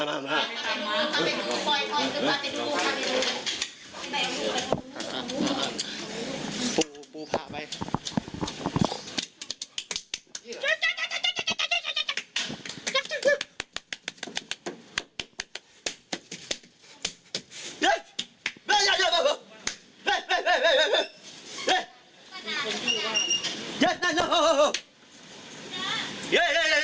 นะเหยยยยย